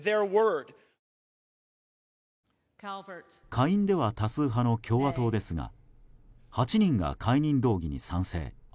下院では多数派の共和党ですが８人が解任動議に賛成。